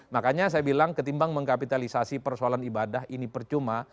makanya saya bilang ketimbang mengkapitalisasi persoalan ibadah ini percuma